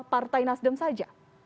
partai nasdem saja